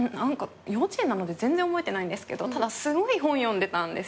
幼稚園なので全然覚えてないんですけどただすごい本読んでたんですよ。